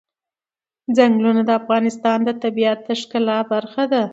چنګلونه د افغانستان د طبیعت د ښکلا برخه ده.